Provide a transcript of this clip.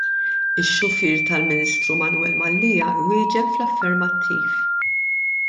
Ix-xufier tal-Ministru Manwel Mallia iwieġeb fl-affermattiv.